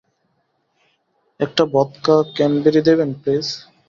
একটা vodka cranberry দেবেন, please?